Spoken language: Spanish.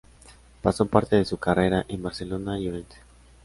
Pasó parte de su carrera en Barcelona y Orense.